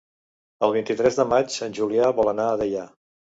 El vint-i-tres de maig en Julià vol anar a Deià.